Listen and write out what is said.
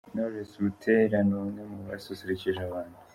Knowless Butera ni umwe mu basusurukije abantu.